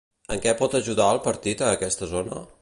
En què pot ajudar el partit a aquesta zona?